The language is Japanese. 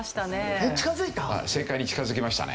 はい正解に近づきましたね。